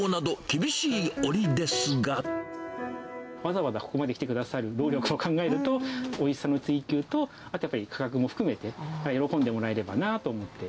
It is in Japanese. わざわざここまで来てくださる労力を考えると、おいしさの追求と、価格も含めて、喜んでもらえればなと思って。